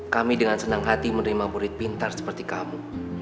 kami dengan senang hati menerima murid pintar seperti kamu